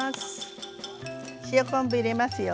塩昆布入れますよ。